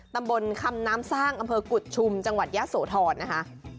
ตำบลคำน้ำสร้างอำเภอกุฎชุมจังหวัดยะโสธรนะคะ